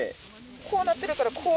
こうなってるからこう。